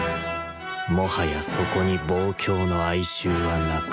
もはやそこに望郷の哀愁はなく。